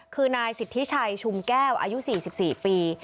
คือนายสิทธิชัยชุมแก้วอายุ๔๔ปี